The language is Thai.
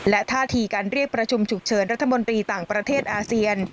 และท่าทีการเรียกประชุมฉุกเฉินรัฐมนตรีต่างประเทศอาเซียน